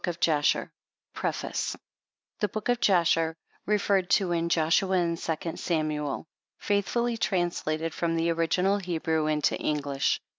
iv^n nsD \' 9 1030 THE BOOK OF JASHER REFERRED TO IN JOSHUA AND SECOND SAMUEL. FAITHFnLLY TRANSLATED FROM THE ORIGINAL HEBREW INTO ENGLISH.